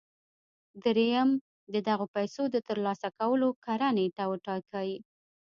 درېيم د دغو پيسو د ترلاسه کولو کره نېټه وټاکئ.